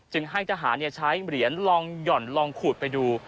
ให้ทหารใช้เหรียญลองหย่อนลองขูดไปดู